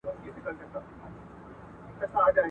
نور کارونه هم لرم درڅخه ولاړم